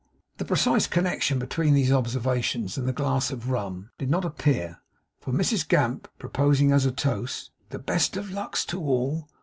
The precise connection between these observations and the glass of rum, did not appear; for Mrs Gamp proposing as a toast 'The best of lucks to all!